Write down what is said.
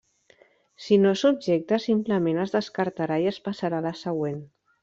Si no és objecte, simplement es descartarà i es passara a la següent.